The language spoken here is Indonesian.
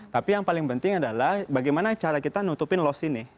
tapi yang paling penting adalah bagaimana cara kita nutupin loss ini